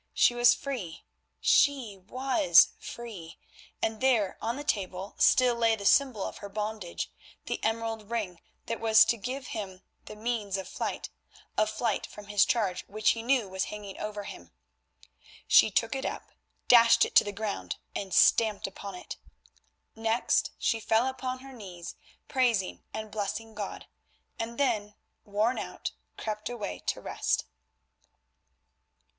She was free! She was free! and there on the table still lay the symbol of her bondage, the emerald ring that was to give him the means of flight, a flight from this charge which he knew was hanging over him. She took it up, dashed it to the ground and stamped upon it. Next she fell upon her knees, praising and blessing God, and then, worn out, crept away to rest.